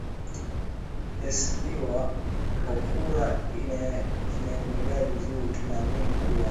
esabiwa kwa kura inaendelea vizuri tunaamini kuwa